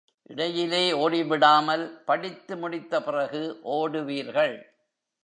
இடையிலே ஓடி விடாமல், படித்து முடித்த பிறகு ஓடுவீர்கள்.